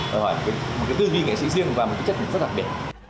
đòi hỏi một cái tư duy nghệ sĩ riêng và một cái chất lượng rất đặc biệt